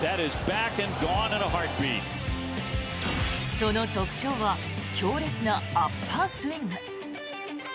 その特徴は強烈なアッパースイング。